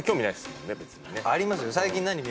ありますよ。